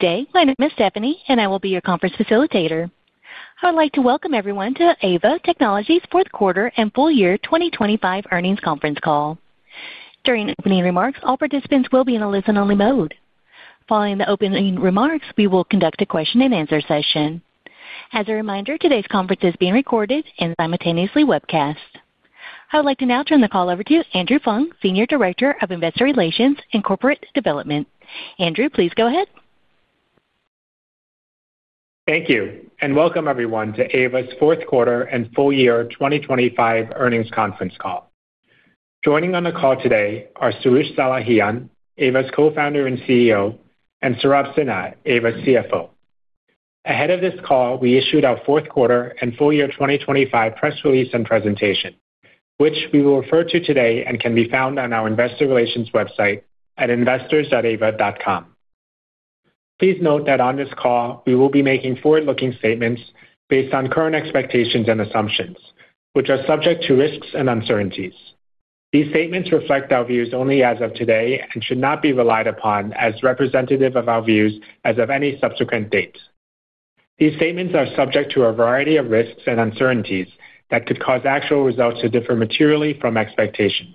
Good day. My name is Stephanie, and I will be your conference facilitator. I would like to welcome everyone to Aeva Technologies' 4th quarter and full year 2025 earnings conference call. During opening remarks, all participants will be in a listen-only mode. Following the opening remarks, we will conduct a question-and-answer session. As a reminder, today's conference is being recorded and simultaneously webcast. I would like to now turn the call over to Andrew Fung, Senior Director of Investor Relations and Corporate Development. Andrew, please go ahead. Thank you. Welcome everyone to Aeva's fourth quarter and full year 2025 earnings conference call. Joining on the call today are Soroush Salehian, Aeva's Co-Founder and CEO, and Saurabh Sinha, Aeva's CFO. Ahead of this call, we issued our fourth quarter and full year 2025 press release and presentation, which we will refer to today and can be found on our investor relations website at investors.aeva.com. Please note that on this call, we will be making forward-looking statements based on current expectations and assumptions, which are subject to risks and uncertainties. These statements reflect our views only as of today and should not be relied upon as representative of our views as of any subsequent date. These statements are subject to a variety of risks and uncertainties that could cause actual results to differ materially from expectations.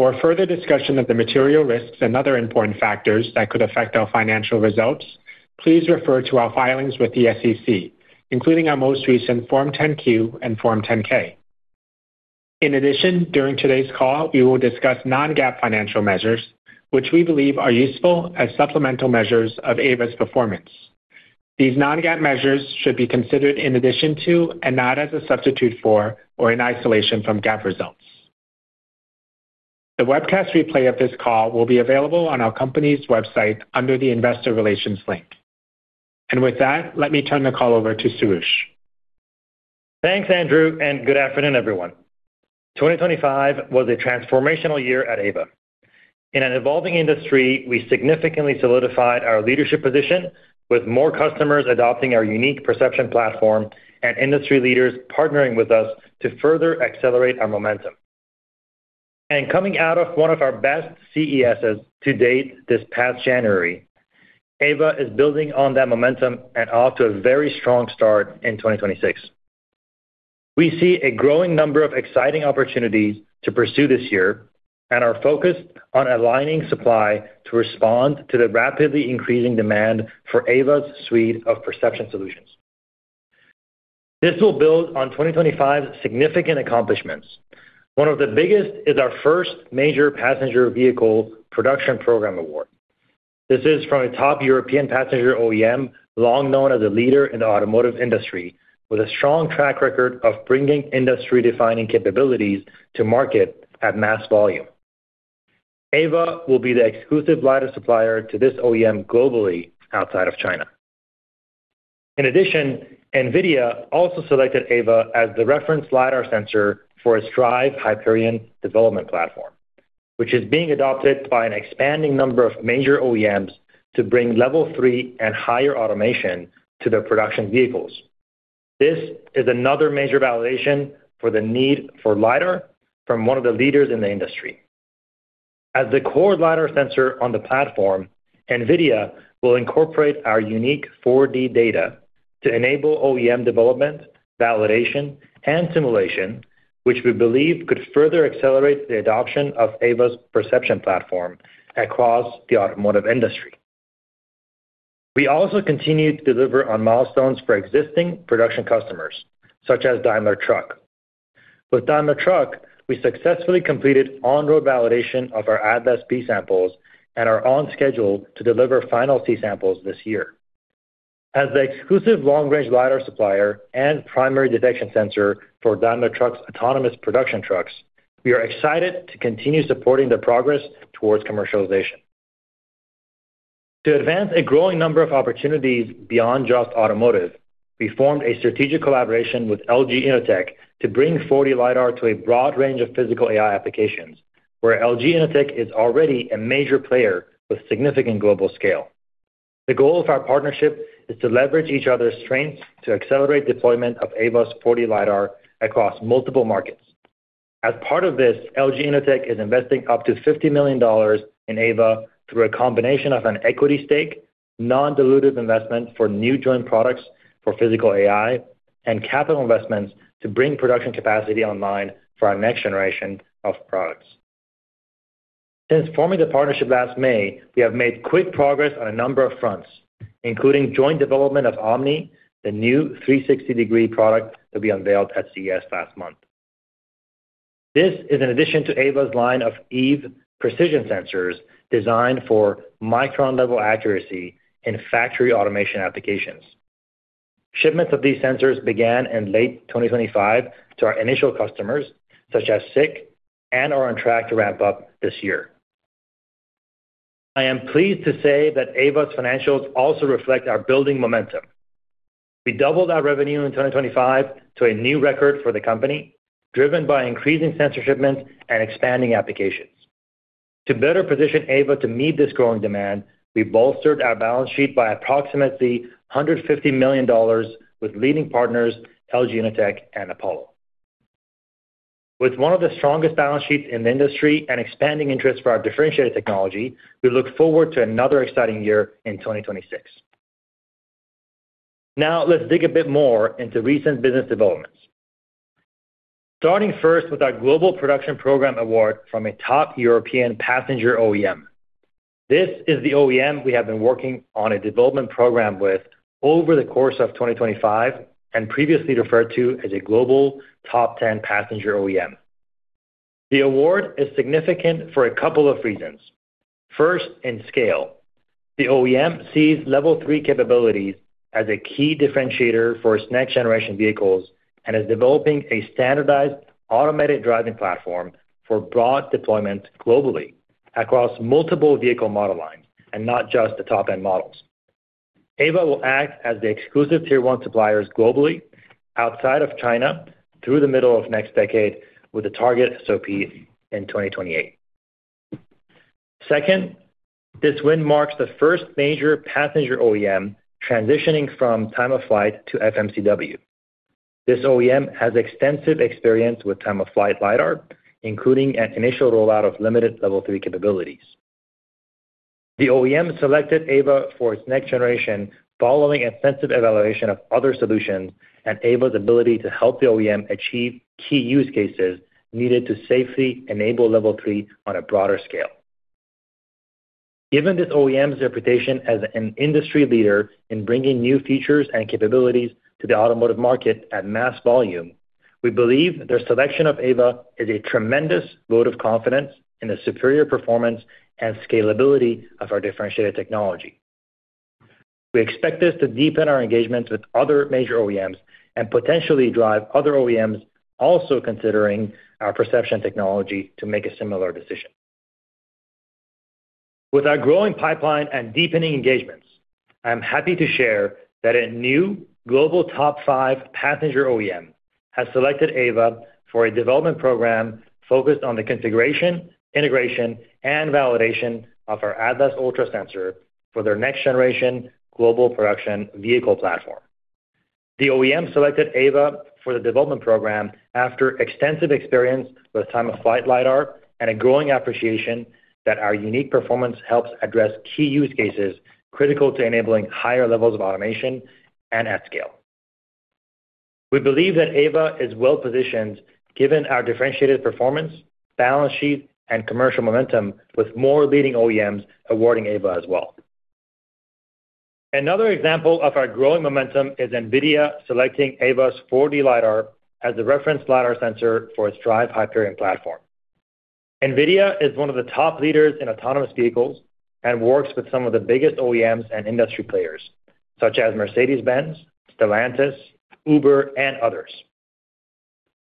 For a further discussion of the material risks and other important factors that could affect our financial results, please refer to our filings with the SEC, including our most recent Form 10-Q and Form 10-K. In addition, during today's call, we will discuss non-GAAP financial measures, which we believe are useful as supplemental measures of Aeva's performance. These non-GAAP measures should be considered in addition to and not as a substitute for or in isolation from GAAP results. The webcast replay of this call will be available on our company's website under the Investor Relations link. With that, let me turn the call over to Soroush. Thanks, Andrew, and good afternoon, everyone. 2025 was a transformational year at Aeva. In an evolving industry, we significantly solidified our leadership position with more customers adopting our unique perception platform and industry leaders partnering with us to further accelerate our momentum. Coming out of one of our best CESs to date this past January, Aeva is building on that momentum and off to a very strong start in 2026. We see a growing number of exciting opportunities to pursue this year and are focused on aligning supply to respond to the rapidly increasing demand for Aeva's suite of perception solutions. This will build on 2025's significant accomplishments. One of the biggest is our first major passenger vehicle production program award. This is from a top European passenger OEM, long known as a leader in the automotive industry, with a strong track record of bringing industry-defining capabilities to market at mass volume. Aeva will be the exclusive LiDAR supplier to this OEM globally outside of China. NVIDIA also selected Aeva as the reference LiDAR sensor for its DRIVE Hyperion development platform, which is being adopted by an expanding number of major OEMs to bring Level 3 and higher automation to their production vehicles. This is another major validation for the need for LiDAR from one of the leaders in the industry. As the core LiDAR sensor on the platform, NVIDIA will incorporate our unique 4D data to enable OEM development, validation, and simulation, which we believe could further accelerate the adoption of Aeva's perception platform across the automotive industry. We also continued to deliver on milestones for existing production customers, such as Daimler Truck. With Daimler Truck, we successfully completed on-road validation of our Atlas B samples and are on schedule to deliver final C samples this year. As the exclusive long-range LiDAR supplier and primary detection sensor for Daimler Truck's autonomous production trucks, we are excited to continue supporting their progress towards commercialization. To advance a growing number of opportunities beyond just automotive, we formed a strategic collaboration with LG Innotek to bring 4D LiDAR to a broad range of physical AI applications, where LG Innotek is already a major player with significant global scale. The goal of our partnership is to leverage each other's strengths to accelerate deployment of Aeva's 4D LiDAR across multiple markets. As part of this, LG Innotek is investing up to $50 million in Aeva through a combination of an equity stake, non-dilutive investment for new joint products for physical AI, and capital investments to bring production capacity online for our next generation of products. Since forming the partnership last May, we have made quick progress on a number of fronts, including joint development of Omni, the new 360-degree product that we unveiled at CES last month. This is in addition to Aeva's line of Eve precision sensors, designed for micron-level accuracy in factory automation applications. Shipments of these sensors began in late 2025 to our initial customers, such as SICK AG, and are on track to ramp up this year. I am pleased to say that Aeva's financials also reflect our building momentum. We doubled our revenue in 2025 to a new record for the company, driven by increasing sensor shipments and expanding applications. To better position Aeva to meet this growing demand, we bolstered our balance sheet by approximately $150 million with leading partners LG Innotek and Apollo. With one of the strongest balance sheets in the industry and expanding interest for our differentiated technology, we look forward to another exciting year in 2026. Let's dig a bit more into recent business developments. Starting first with our global production program award from a top European passenger OEM. This is the OEM we have been working on a development program with over the course of 2025, and previously referred to as a global top 10 passenger OEM. The award is significant for a couple of reasons. First, in scale. The OEM sees Level 3 capabilities as a key differentiator for its next generation vehicles and is developing a standardized automated driving platform for broad deployment globally across multiple vehicle model lines, and not just the top-end models. Aeva will act as the exclusive Tier-1 suppliers globally outside of China through the middle of next decade with a target SOP in 2028. Second, this win marks the first major passenger OEM transitioning from Time-of-Flight to FMCW. This OEM has extensive experience with Time-of-Flight LiDAR, including an initial rollout of limited Level 3 capabilities. The OEM selected Aeva for its next generation following extensive evaluation of other solutions and Aeva's ability to help the OEM achieve key use cases needed to safely enable Level 3 on a broader scale. Given this OEM's reputation as an industry leader in bringing new features and capabilities to the automotive market at mass volume, we believe their selection of Aeva is a tremendous vote of confidence in the superior performance and scalability of our differentiated technology. We expect this to deepen our engagements with other major OEMs and potentially drive other OEMs also considering our perception technology to make a similar decision. With our growing pipeline and deepening engagements, I am happy to share that a new global top five passenger OEM has selected Aeva for a development program focused on the configuration, integration, and validation of our Atlas Ultra sensor for their next generation global production vehicle platform. The OEM selected Aeva for the development program after extensive experience with time-of-flight LiDAR and a growing appreciation that our unique performance helps address key use cases critical to enabling higher levels of automation and at scale. We believe that Aeva is well-positioned given our differentiated performance, balance sheet, and commercial momentum with more leading OEMs awarding Aeva as well. Another example of our growing momentum is NVIDIA selecting Aeva's 4D LiDAR as the reference LiDAR sensor for its DRIVE Hyperion platform. NVIDIA is one of the top leaders in autonomous vehicles and works with some of the biggest OEMs and industry players, such as Mercedes-Benz, Stellantis, Uber, and others.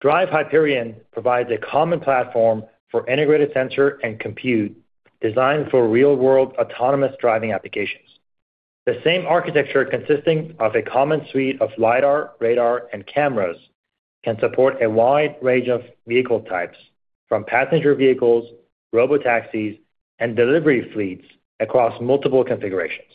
DRIVE Hyperion provides a common platform for integrated sensor and compute designed for real-world autonomous driving applications. The same architecture consisting of a common suite of LiDAR, radar, and cameras can support a wide range of vehicle types from passenger vehicles, robotaxis, and delivery fleets across multiple configurations.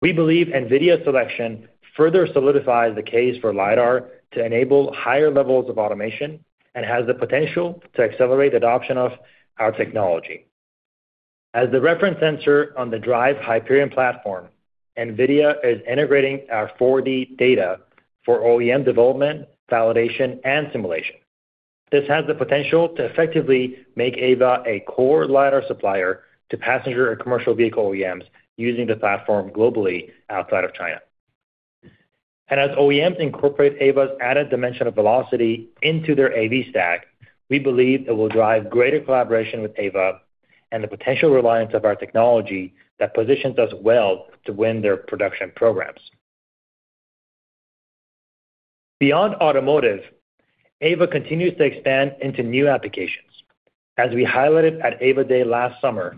We believe NVIDIA's selection further solidifies the case for LiDAR to enable higher levels of automation and has the potential to accelerate adoption of our technology. As the reference sensor on the DRIVE Hyperion platform, NVIDIA is integrating our 4D data for OEM development, validation, and simulation. This has the potential to effectively make Aeva a core LiDAR supplier to passenger and commercial vehicle OEMs using the platform globally outside of China. As OEMs incorporate Aeva's added dimension of velocity into their AV stack, we believe it will drive greater collaboration with Aeva and the potential reliance of our technology that positions us well to win their production programs. Beyond automotive, Aeva continues to expand into new applications. As we highlighted at Aeva Day last summer,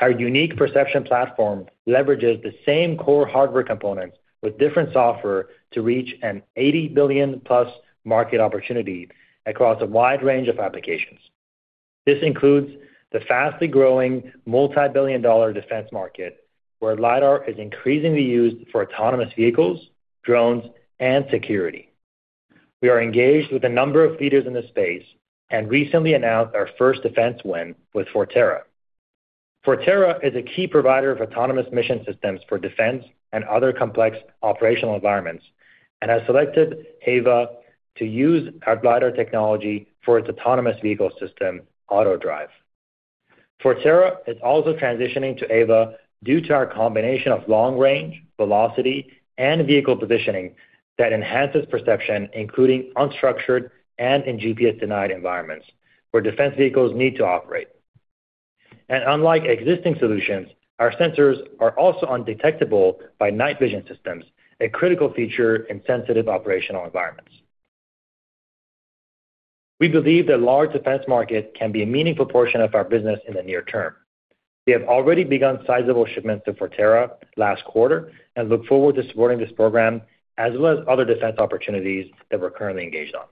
our unique perception platform leverages the same core hardware components with different software to reach an $80 billion-plus market opportunity across a wide range of applications. This includes the fastly growing multi-billion dollar defense market, where LiDAR is increasingly used for autonomous vehicles, drones, and security. We are engaged with a number of leaders in this space and recently announced our first defense win with Forterra. Forterra is a key provider of autonomous mission systems for defense and other complex operational environments and has selected Aeva to use our glider technology for its autonomous vehicle system, AutoDrive. Forterra is also transitioning to Aeva due to our combination of long range, velocity, and vehicle positioning that enhances perception, including unstructured and in GPS-denied environments where defense vehicles need to operate. Unlike existing solutions, our sensors are also undetectable by night vision systems, a critical feature in sensitive operational environments. We believe the large defense market can be a meaningful portion of our business in the near term. We have already begun sizable shipments to Forterra last quarter and look forward to supporting this program as well as other defense opportunities that we're currently engaged on.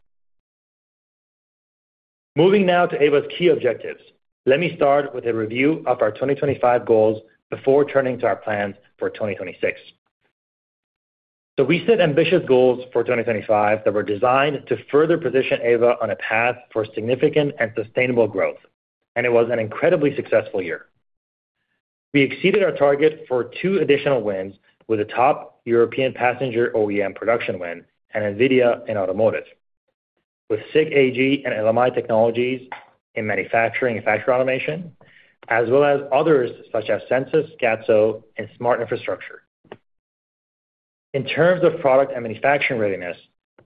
Moving now to Aeva's key objectives. Let me start with a review of our 2025 goals before turning to our plans for 2026. We set ambitious goals for 2025 that were designed to further position Aeva on a path for significant and sustainable growth, and it was an incredibly successful year. We exceeded our target for two additional wins with a top European passenger OEM production win and NVIDIA in automotive. With SICK AG and LMI Technologies in manufacturing and factory automation, as well as others such as Sensys Gatso and Smart Infrastructure. In terms of product and manufacturing readiness,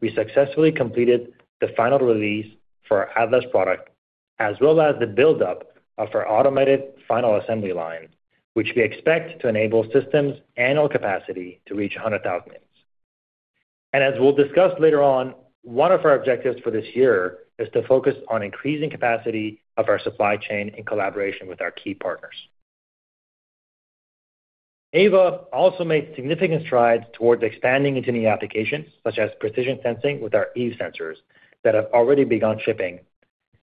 we successfully completed the final release for our Atlas product, as well as the buildup of our automated final assembly line, which we expect to enable systems annual capacity to reach 100,000 units. As we'll discuss later on, one of our objectives for this year is to focus on increasing capacity of our supply chain in collaboration with our key partners. Aeva also made significant strides towards expanding into new applications such as precision sensing with our Eve sensors that have already begun shipping.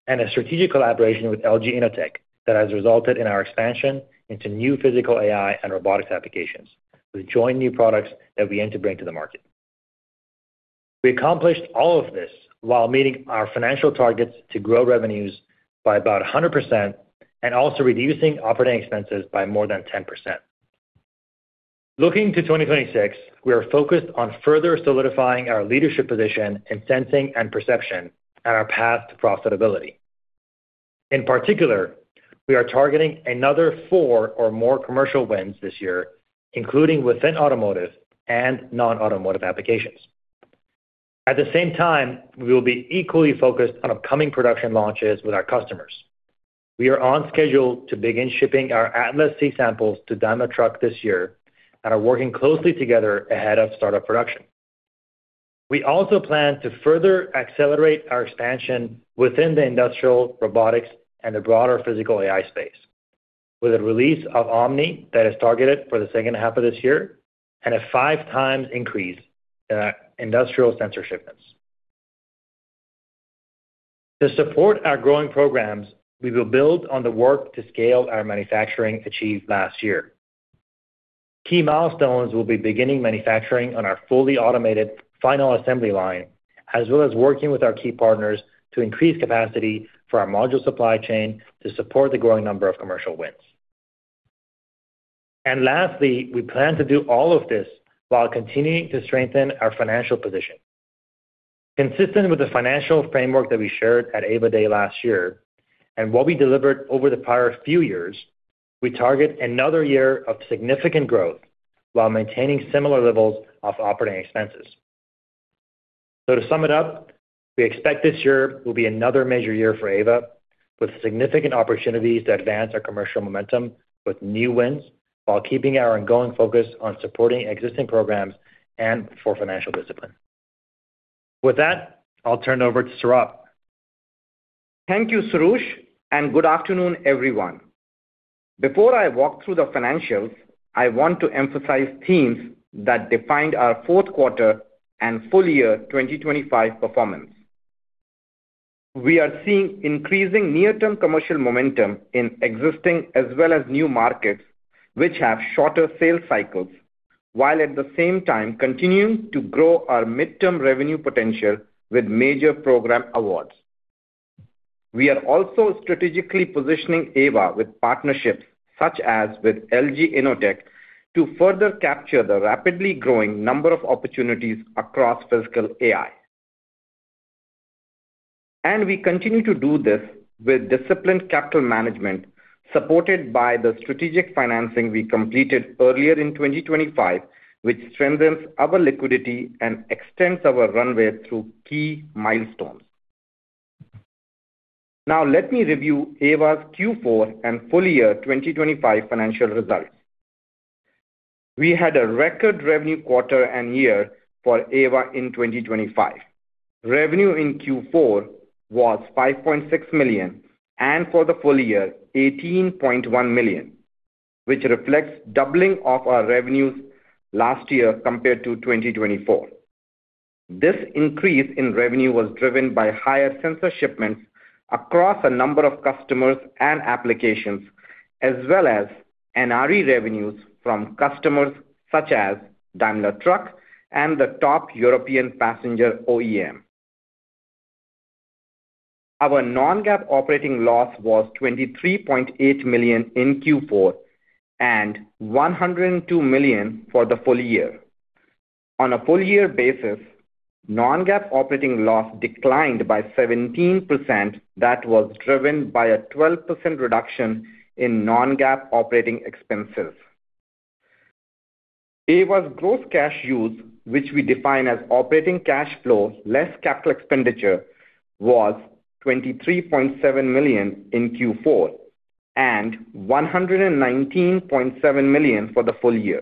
A strategic collaboration with LG Innotek that has resulted in our expansion into new physical AI and robotics applications with joint new products that we aim to bring to the market. We accomplished all of this while meeting our financial targets to grow revenues by about 100% and also reducing operating expenses by more than 10%. Looking to 2026, we are focused on further solidifying our leadership position in sensing and perception and our path to profitability. In particular, we are targeting another 4 or more commercial wins this year, including within automotive and non-automotive applications. At the same time, we will be equally focused on upcoming production launches with our customers. We are on schedule to begin shipping our Atlas C samples to Daimler Truck this year and are working closely together ahead of startup production. We also plan to further accelerate our expansion within the industrial robotics and the broader physical AI space with a release of Omni that is targeted for the second half of this year and a 5 times increase in our industrial sensor shipments. To support our growing programs, we will build on the work to scale our manufacturing achieved last year. Key milestones will be beginning manufacturing on our fully automated final assembly line, as well as working with our key partners to increase capacity for our module supply chain to support the growing number of commercial wins. Lastly, we plan to do all of this while continuing to strengthen our financial position. Consistent with the financial framework that we shared at Aeva Day last year, and what we delivered over the prior few years, we target another year of significant growth while maintaining similar levels of operating expenses. To sum it up, we expect this year will be another major year for Aeva with significant opportunities to advance our commercial momentum with new wins while keeping our ongoing focus on supporting existing programs and for financial discipline. With that, I'll turn it over to Saurabh. Thank you, Soroush, and good afternoon, everyone. Before I walk through the financials, I want to emphasize themes that defined our fourth quarter and full year 2025 performance. We are seeing increasing near-term commercial momentum in existing as well as new markets, which have shorter sales cycles, while at the same time continuing to grow our mid-term revenue potential with major program awards. We are also strategically positioning Aeva with partnerships such as with LG Innotek to further capture the rapidly growing number of opportunities across physical AI. We continue to do this with disciplined capital management supported by the strategic financing we completed earlier in 2025, which strengthens our liquidity and extends our runway through key milestones. Now let me review Aeva's Q4 and full year 2025 financial results. We had a record revenue quarter and year for Aeva in 2025. Revenue in Q4 was $5.6 million and for the full year, $18.1 million, which reflects doubling of our revenues last year compared to 2024. This increase in revenue was driven by higher sensor shipments across a number of customers and applications, as well as NRE revenues from customers such as Daimler Truck and the top European passenger OEM. Our non-GAAP operating loss was $23.8 million in Q4 and $102 million for the full year. On a full year basis, non-GAAP operating loss declined by 17% that was driven by a 12% reduction in non-GAAP operating expenses. Aeva's gross cash use, which we define as operating cash flow less capital expenditure, was $23.7 million in Q4 and $119.7 million for the full year.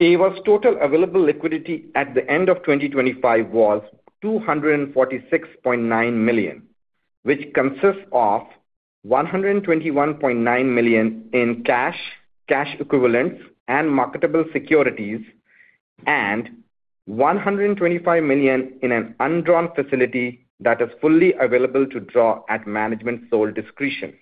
Aeva's total available liquidity at the end of 2025 was $246.9 million, which consists of $121.9 million in cash equivalents and marketable securities, and $125 million in an undrawn facility that is fully available to draw at management's sole discretion.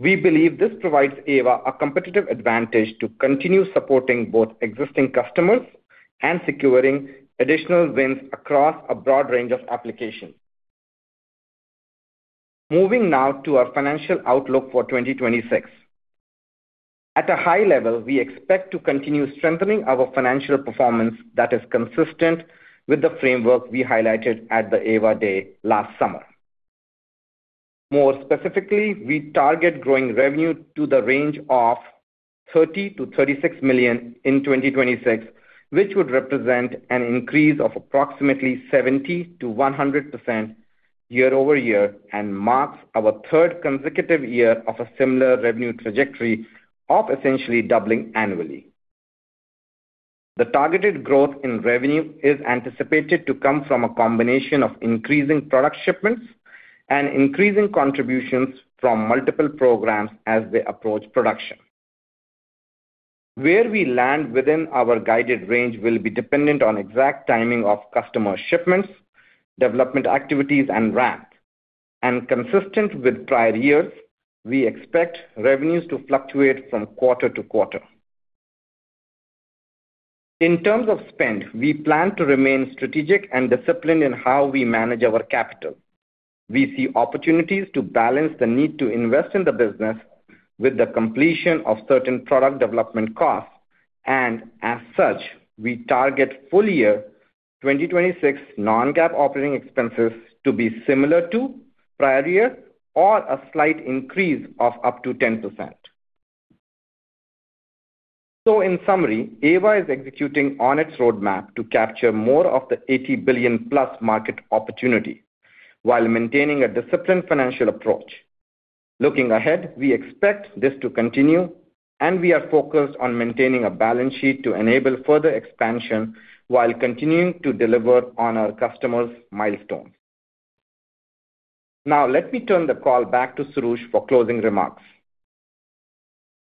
We believe this provides Aeva a competitive advantage to continue supporting both existing customers and securing additional wins across a broad range of applications. Moving now to our financial outlook for 2026. At a high level, we expect to continue strengthening our financial performance that is consistent with the framework we highlighted at the Aeva Day last summer. More specifically, we target growing revenue to the range of $30 million-$36 million in 2026, which would represent an increase of approximately 70%-100% year-over-year and marks our third consecutive year of a similar revenue trajectory of essentially doubling annually. The targeted growth in revenue is anticipated to come from a combination of increasing product shipments and increasing contributions from multiple programs as they approach production. Where we land within our guided range will be dependent on exact timing of customer shipments, development activities and ramp. Consistent with prior years, we expect revenues to fluctuate from quarter-to-quarter. In terms of spend, we plan to remain strategic and disciplined in how we manage our capital. We see opportunities to balance the need to invest in the business with the completion of certain product development costs, as such, we target full year 2026 non-GAAP operating expenses to be similar to prior year or a slight increase of up to 10%. In summary, Aeva is executing on its roadmap to capture more of the $80 billion+ market opportunity while maintaining a disciplined financial approach. Looking ahead, we expect this to continue we are focused on maintaining a balance sheet to enable further expansion while continuing to deliver on our customers' milestones. Let me turn the call back to Soroush for closing remarks.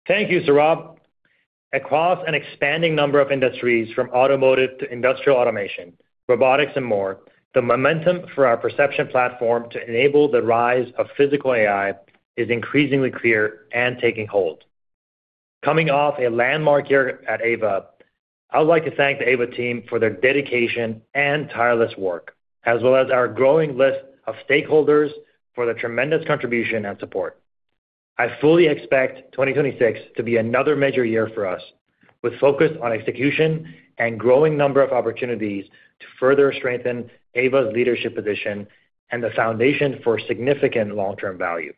Thank you, Saurabh. Across an expanding number of industries from automotive to industrial automation, robotics and more, the momentum for our perception platform to enable the rise of physical AI is increasingly clear and taking hold. Coming off a landmark year at Aeva, I would like to thank the Aeva team for their dedication and tireless work, as well as our growing list of stakeholders for their tremendous contribution and support. I fully expect 2026 to be another major year for us, with focus on execution and growing number of opportunities to further strengthen Aeva's leadership position and the foundation for significant long-term value.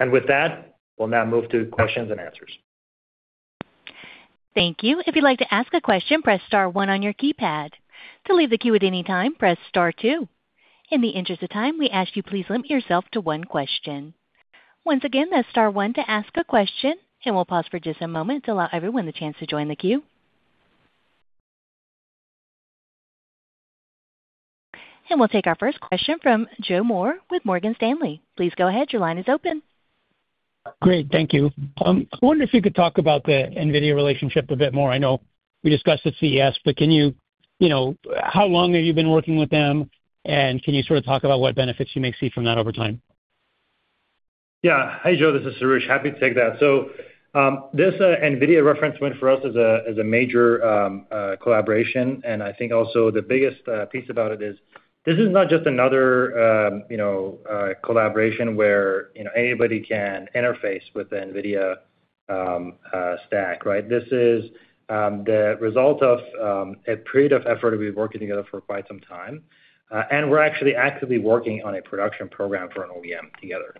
With that, we'll now move to questions and answers. Thank you. If you'd like to ask a question, press star one on your keypad. To leave the queue at any time, press star two. In the interest of time, we ask you please limit yourself to one question. Once again, that's star one to ask a question, we'll pause for just a moment to allow everyone the chance to join the queue. We'll take our first question from Joe Moore with Morgan Stanley. Please go ahead. Your line is open. Great. Thank you. I wonder if you could talk about the NVIDIA relationship a bit more. I know we discussed at CES, but can you know, how long have you been working with them, and can you sort of talk about what benefits you may see from that over time? Yeah. Hi, Joe. This is Soroush. Happy to take that. This NVIDIA reference win for us is a major collaboration, and I think also the biggest piece about it is this is not just another, you know, collaboration where, you know, anybody can interface with the NVIDIA stack, right? This is the result of a period of effort that we've worked together for quite some time, and we're actually actively working on a production program for an OEM together.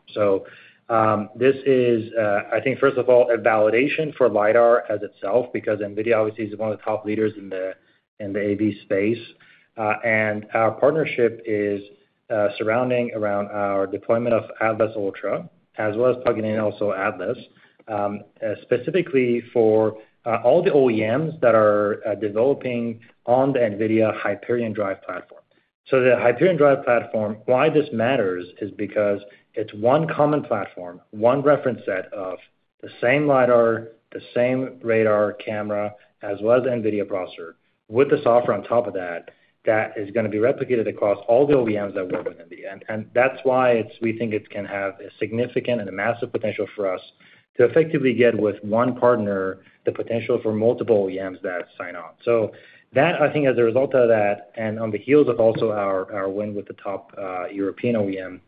This is I think first of all, a validation for LiDAR as itself, because NVIDIA obviously is one of the top leaders in the AV space. Our partnership is surrounding around our deployment of Atlas Ultra, as well as plugging in also Atlas, specifically for all the OEMs that are developing on the NVIDIA DRIVE Hyperion platform. The DRIVE Hyperion platform, why this matters is because it's one common platform, one reference set of the same LiDAR, the same radar camera, as well as NVIDIA processor with the software on top of that is gonna be replicated across all the OEMs that work with NVIDIA. That's why we think it can have a significant and a massive potential for us to effectively get with one partner, the potential for multiple OEMs that sign on. That, I think as a result of that, and on the heels of also our win with the top European OEM,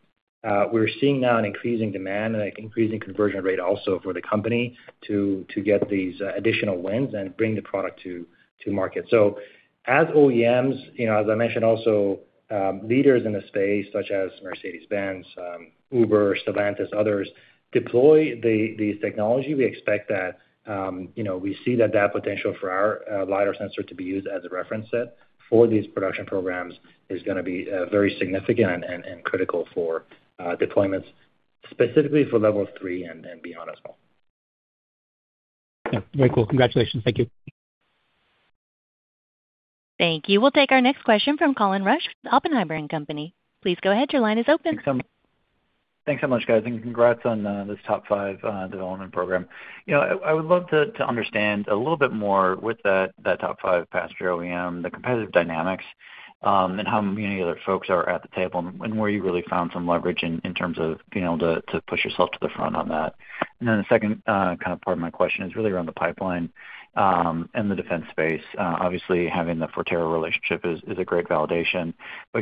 we're seeing now an increasing demand and increasing conversion rate also for the company to get these additional wins and bring the product to market. As OEMs, you know, as I mentioned also, leaders in the space such as Mercedes-Benz, Uber, Stellantis, others deploy these technology, we expect that, you know, we see that that potential for our LiDAR sensor to be used as a reference set for these production programs is gonna be very significant and critical for deployments specifically for Level 3 and beyond as well. Yeah. Very cool. Congratulations. Thank you. Thank you. We'll take our next question from Colin Rusch with Oppenheimer & Company. Please go ahead. Your line is open. Thanks so much, guys, congrats on this top 5 development program. You know, I would love to understand a little bit more with that top 5 passenger OEM, the competitive dynamics, and how many other folks are at the table and where you really found some leverage in terms of being able to push yourself to the front on that. The second kind of part of my question is really around the pipeline and the defense space. Obviously having the Forterra relationship is a great validation.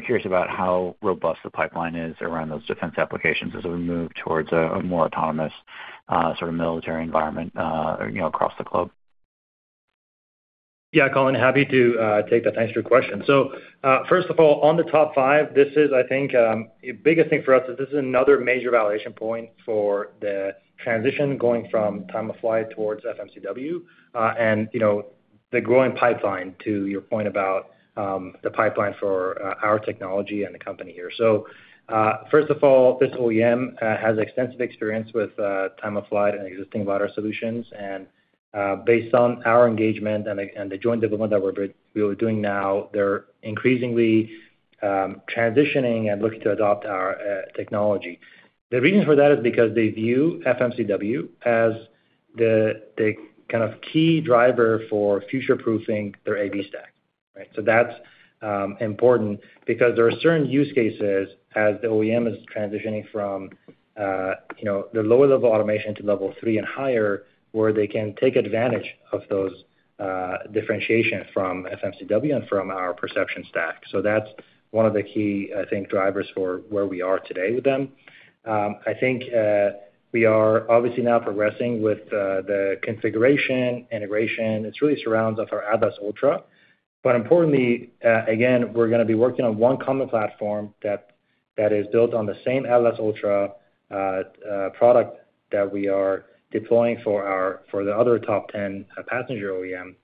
Curious about how robust the pipeline is around those defense applications as we move towards a more autonomous sort of military environment, you know, across the globe. Yeah, Colin, happy to take that. Thanks for your question. First of all, on the top five, this is I think the biggest thing for us is this is another major validation point for the transition going from Time-of-Flight towards FMCW. You know, the growing pipeline to your point about the pipeline for our technology and the company here. First of all, this OEM has extensive experience with Time-of-Flight and existing LiDAR solutions. Based on our engagement and the joint development that we are doing now, they're increasingly transitioning and looking to adopt our technology. The reason for that is because they view FMCW as the kind of key driver for future-proofing their AV stack, right? That's important because there are certain use cases as the OEM is transitioning from, you know, the lower level automation to Level 3 and higher, where they can take advantage of those differentiation from FMCW and from our perception stack. That's one of the key, I think, drivers for where we are today with them. I think, we are obviously now progressing with the configuration, integration. It's really surrounds of our Atlas Ultra. Importantly, again, we're gonna be working on one common platform that is built on the same Atlas Ultra product that we are deploying for our, for the other top 10 passenger OEM,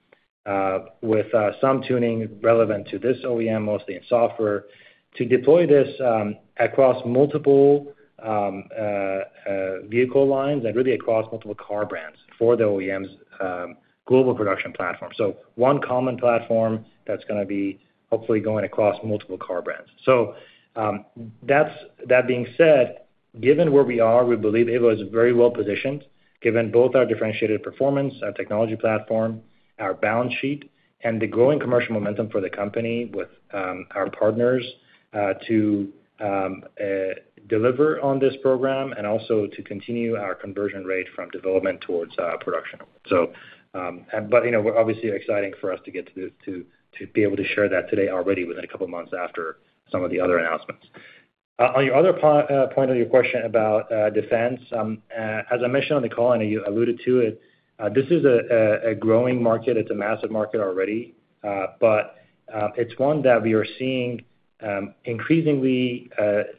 with some tuning relevant to this OEM, mostly in software, to deploy this across multiple vehicle lines and really across multiple car brands for the OEM's global production platform. One common platform that's gonna be hopefully going across multiple car brands. That being said, given where we are, we believe Aeva is very well positioned, given both our differentiated performance, our technology platform, our balance sheet, and the growing commercial momentum for the company with our partners to deliver on this program and also to continue our conversion rate from development towards production. You know, obviously exciting for us to get to be able to share that today already within 2 months after some of the other announcements. On your other point of your question about defense. As I mentioned on the call, and you alluded to it, this is a growing market. It's a massive market already. It's one that we are seeing increasingly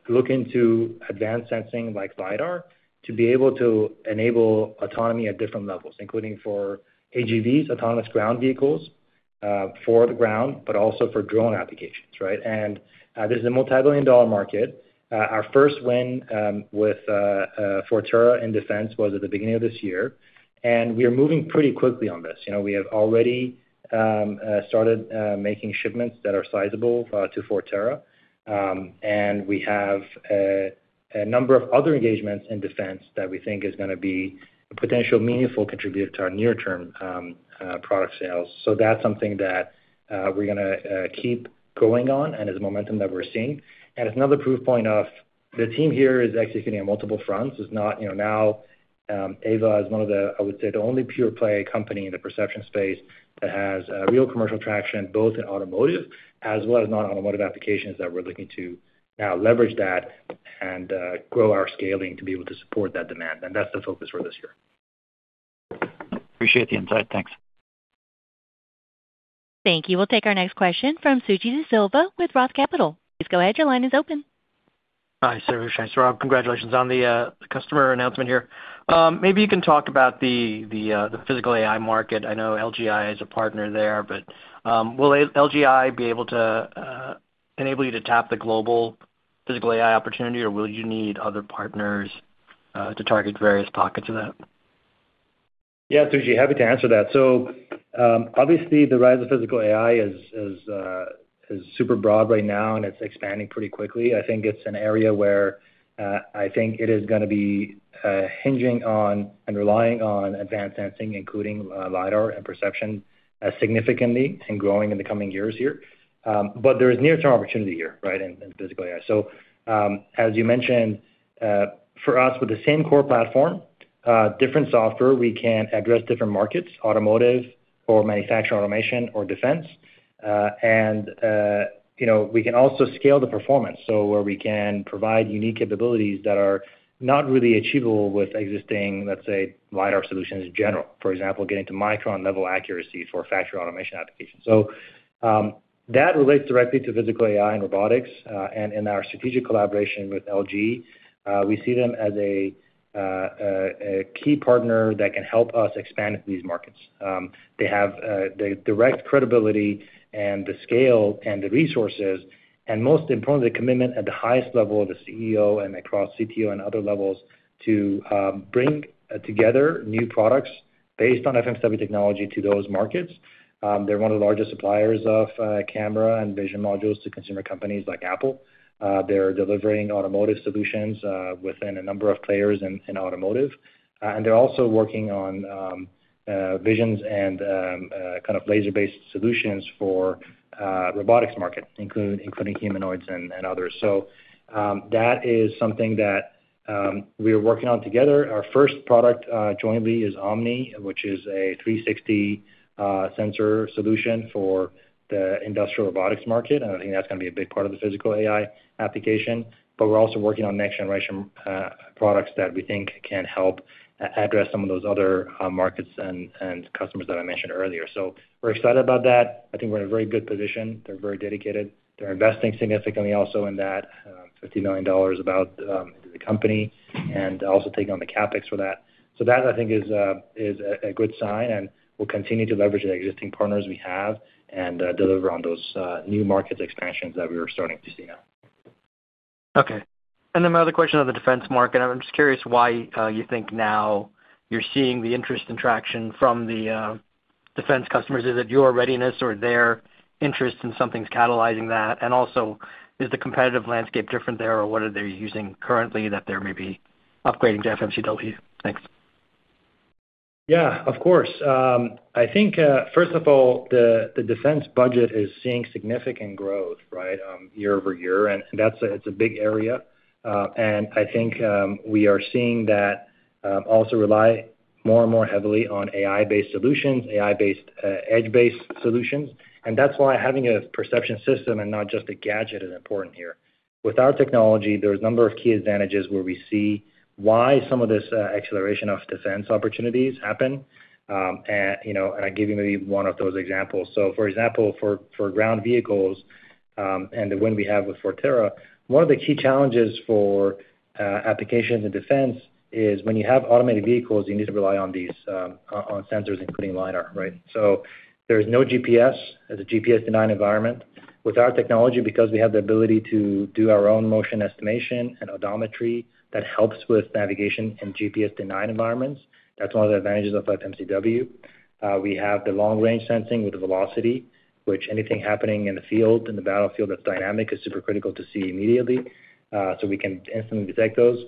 look into advanced sensing like LiDAR to be able to enable autonomy at different levels, including for AGVs, autonomous ground vehicles for the ground, but also for drone applications, right? This is a multi-billion dollar market. Our first win with Forterra in defense was at the beginning of this year, we are moving pretty quickly on this. You know, we have already started making shipments that are sizable to Forterra. We have a number of other engagements in defense that we think is gonna be a potential meaningful contributor to our near-term product sales. That's something that we're gonna keep going on and is a momentum that we're seeing. It's another proof point of the team here is executing on multiple fronts. It's not, you know, now, Aeva is one of the, I would say, the only pure play company in the perception space that has real commercial traction, both in automotive as well as non-automotive applications that we're looking to now leverage that and grow our scaling to be able to support that demand. That's the focus for this year. Appreciate the insight. Thanks. Thank you. We'll take our next question from Suji Desilva with Roth Capital. Please go ahead. Your line is open. Hi, Soroush and Saurabh. Congratulations on the customer announcement here. Maybe you can talk about the physical AI market. I know LGI is a partner there, but will LGI be able to enable you to tap the global physical AI opportunity, or will you need other partners to target various pockets of that? Yeah, Suji, happy to answer that. Obviously the rise of physical AI is super broad right now, and it's expanding pretty quickly. I think it's an area where I think it is gonna be hinging on and relying on advanced sensing, including LiDAR and perception, significantly and growing in the coming years here. There is near-term opportunity here, right, in physical AI. As you mentioned, for us, with the same core platform. Different software, we can address different markets, automotive or manufacturer automation or defense. You know, we can also scale the performance, so where we can provide unique capabilities that are not really achievable with existing, let's say, LiDAR solutions in general. For example, getting to micron level accuracy for factory automation applications. That relates directly to physical AI and robotics. In our strategic collaboration with LG, we see them as a key partner that can help us expand into these markets. They have the direct credibility and the scale and the resources, and most importantly, the commitment at the highest level of the CEO and across CTO and other levels to bring together new products based on FMCW technology to those markets. They're one of the largest suppliers of camera and vision modules to consumer companies like Apple. They're delivering automotive solutions within a number of players in automotive. They're also working on visions and kind of laser-based solutions for robotics market, including humanoids and others. That is something that we are working on together. Our first product, jointly is Omni, which is a 360 sensor solution for the industrial robotics market. I think that's gonna be a big part of the physical AI application. We're also working on next generation products that we think can help address some of those other markets and customers that I mentioned earlier. We're excited about that. I think we're in a very good position. They're very dedicated. They're investing significantly also in that, $50 million about, into the company, and also taking on the CapEx for that. That I think is a good sign, and we'll continue to leverage the existing partners we have and deliver on those new market expansions that we are starting to see now. Okay. Then my other question on the defense market, I'm just curious why you think now you're seeing the interest and traction from the defense customers. Is it your readiness or their interest in something's catalyzing that? Also, is the competitive landscape different there, or what are they using currently that they may be upgrading to FMCW? Thanks. Yeah, of course. I think, first of all, the defense budget is seeing significant growth, right? Year-over-year. That's a big area. I think, we are seeing that also rely more and more heavily on AI-based solutions, AI-based, edge-based solutions. That's why having a perception system and not just a gadget is important here. With our technology, there's a number of key advantages where we see why some of this acceleration of defense opportunities happen. You know, I'll give you maybe one of those examples. For example, for ground vehicles, the win we have with Forterra, one of the key challenges for applications in defense is when you have automated vehicles, you need to rely on these on sensors, including LiDAR, right? There's no GPS. It's a GPS-denied environment. With our technology, because we have the ability to do our own motion estimation and odometry, that helps with navigation in GPS-denied environments. That's one of the advantages of FMCW. We have the long-range sensing with the velocity, which anything happening in the field, in the battlefield that's dynamic is super critical to see immediately. We can instantly detect those.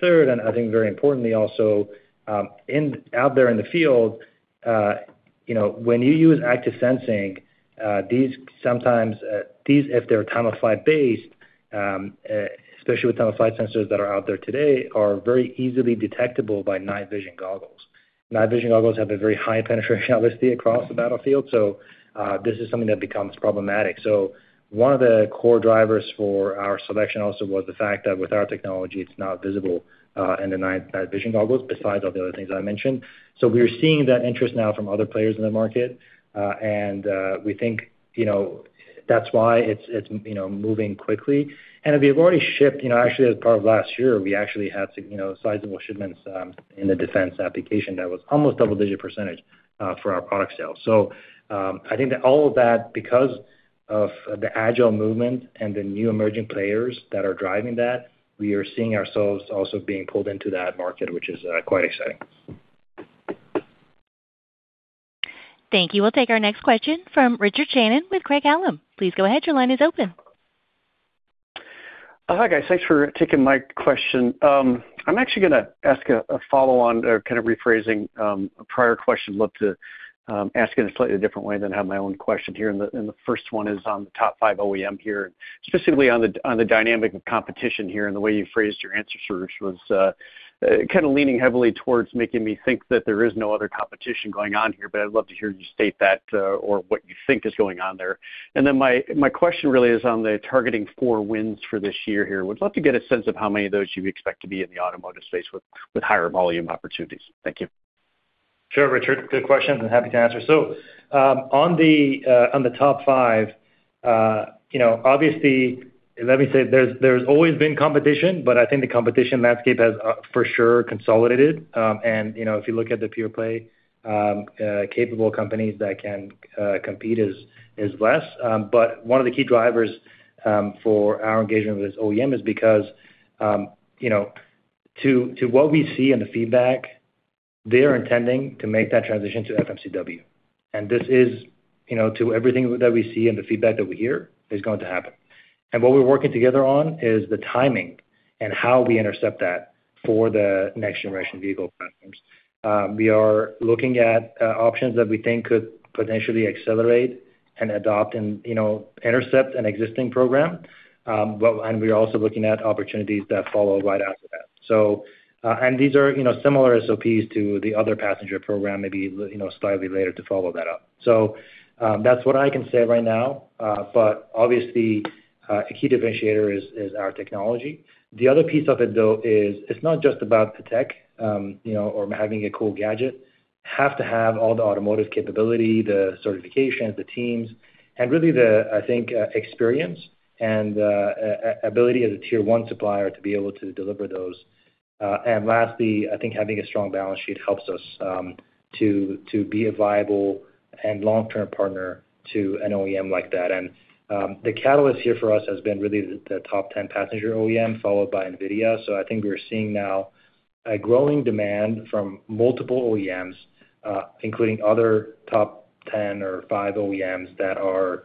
Third, and I think very importantly also, out there in the field, you know, when you use active sensing, these sometimes, these, if they're time-of-flight based, especially with time-of-flight sensors that are out there today, are very easily detectable by night vision goggles. Night vision goggles have a very high penetration obviously across the battlefield. This is something that becomes problematic. One of the core drivers for our selection also was the fact that with our technology, it's not visible in the night vision goggles, besides all the other things I mentioned. We are seeing that interest now from other players in the market, and we think, you know, that's why it's, you know, moving quickly. We have already shipped, you know, actually as part of last year, we actually had sizable shipments in the defense application that was almost double-digit percentage for our product sales. I think that all of that, because of the agile movement and the new emerging players that are driving that, we are seeing ourselves also being pulled into that market, which is quite exciting. Thank you. We'll take our next question from Richard Shannon with Craig-Hallum. Please go ahead. Your line is open. Hi, guys. Thanks for taking my question. I'm actually gonna ask a follow-on or kind of rephrasing a prior question. Love to ask in a slightly different way than have my own question here. The first one is on the top five OEM here, specifically on the dynamic of competition here and the way you phrased your answer, Saurabh, was kind of leaning heavily towards making me think that there is no other competition going on here. I'd love to hear you state that or what you think is going on there. My question really is on the targeting four wins for this year here. Would love to get a sense of how many of those you expect to be in the automotive space with higher volume opportunities. Thank you. Sure, Richard. Good questions, and happy to answer. On the on the top five, you know, obviously, let me say there's always been competition, but I think the competition landscape has for sure consolidated. You know, if you look at the pure play, capable companies that can compete is less. One of the key drivers for our engagement with this OEM is because, you know, to what we see in the feedback, they are intending to make that transition to FMCW. This is, you know, to everything that we see and the feedback that we hear, is going to happen. What we're working together on is the timing and how we intercept that for the next generation vehicle platforms. We are looking at options that we think could potentially accelerate and adopt and, you know, intercept an existing program. We are also looking at opportunities that follow right after that. These are, you know, similar SOPs to the other passenger program, maybe, you know, slightly later to follow that up. That's what I can say right now. Obviously, a key differentiator is our technology. The other piece of it though is it's not just about the tech, you know, or having a cool gadget. Have to have all the automotive capability, the certifications, the teams, and really the, I think, experience and ability as a Tier-1 supplier to be able to deliver those. Lastly, I think having a strong balance sheet helps us to be a viable and long-term partner to an OEM like that. The catalyst here for us has been really the top 10 passenger OEM followed by NVIDIA. I think we're seeing now a growing demand from multiple OEMs, including other top 10 or 5 OEMs that are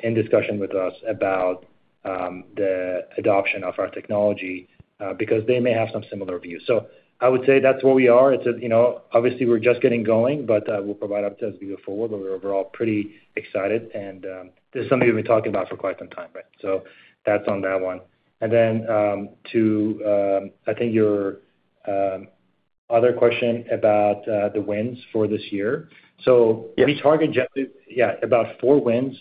in discussion with us about the adoption of our technology because they may have some similar views. I would say that's where we are. It's a, you know, obviously we're just getting going, but we'll provide updates as we go forward, but we're overall pretty excited and this is something we've been talking about for quite some time, right? That's on that one. To, I think your, other question about, the wins for this year. Yes. We target just, yeah, about 4 wins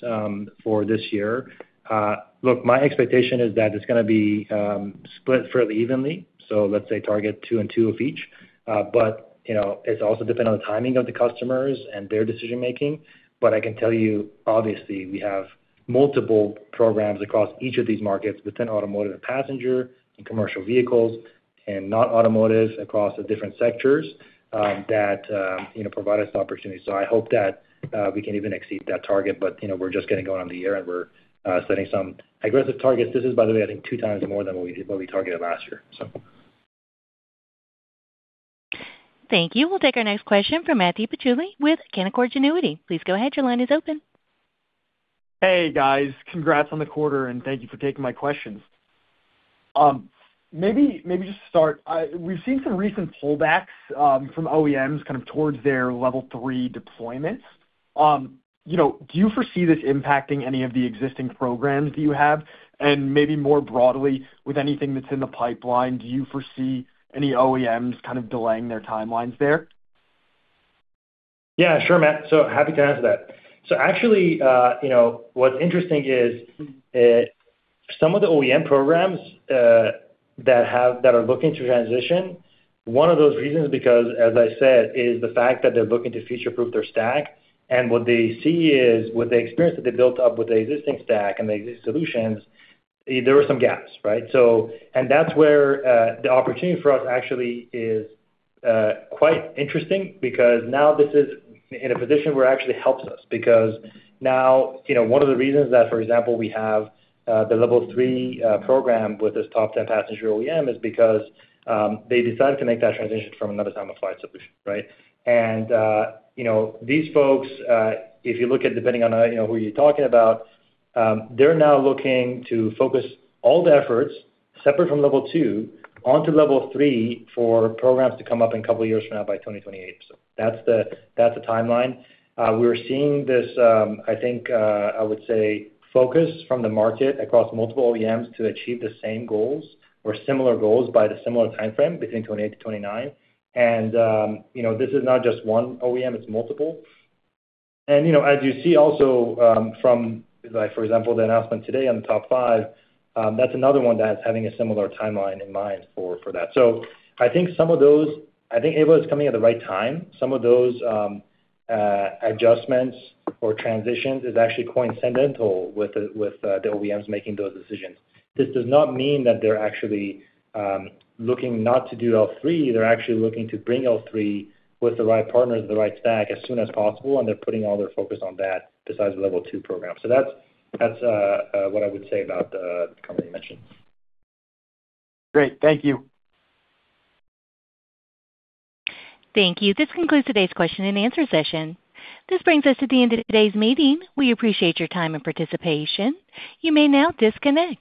for this year. Look, my expectation is that it's gonna be split fairly evenly, so let's say target 2 and 2 of each. You know, it's also dependent on the timing of the customers and their decision-making. I can tell you, obviously, we have multiple programs across each of these markets within automotive and passenger and commercial vehicles and not automotive across the different sectors that, you know, provide us opportunities. I hope that we can even exceed that target. You know, we're just getting going on the year and we're setting some aggressive targets. This is, by the way, I think 2 times more than what we targeted last year, so. Thank you. We'll take our next question from Matthew Paciulli with Canaccord Genuity. Please go ahead. Your line is open. Hey, guys. Congrats on the quarter, and thank you for taking my questions. maybe just to start, we've seen some recent pullbacks, from OEMs kind of towards their Level 3 deployments. you know, do you foresee this impacting any of the existing programs that you have? Maybe more broadly, with anything that's in the pipeline, do you foresee any OEMs kind of delaying their timelines there? Yeah. Sure, Matt. Happy to answer that. Actually, you know, what's interesting is some of the OEM programs that are looking to transition, one of those reasons because, as I said, is the fact that they're looking to future-proof their stack. What they see is with the experience that they built up with the existing stack and the existing solutions, there were some gaps, right? That's where the opportunity for us actually is quite interesting because now this is in a position where it actually helps us. Now, you know, one of the reasons that, for example, we have the Level 3 program with this top 10 passenger OEM is because they decided to make that transition from another Time-of-Flight solution, right? You know, these folks, if you look at depending on, you know, who you're talking about, they're now looking to focus all the efforts separate from Level 2 onto Level 3 for programs to come up in a couple of years from now by 2028. That's the, that's the timeline. We're seeing this, I think, I would say, focus from the market across multiple OEMs to achieve the same goals or similar goals by the similar timeframe between 2028-2029. You know, this is not just one OEM, it's multiple. You know, as you see also, from like, for example, the announcement today on the top five, that's another one that's having a similar timeline in mind for that. I think Aeva is coming at the right time. Some of those adjustments or transitions is actually coincidental with the OEMs making those decisions. This does not mean that they're actually looking not to do L3. They're actually looking to bring L3 with the right partners, the right stack as soon as possible, and they're putting all their focus on that besides the level two program. That's what I would say about the company you mentioned. Great. Thank you. Thank you. This concludes today's question and answer session. This brings us to the end of today's meeting. We appreciate your time and participation. You may now disconnect.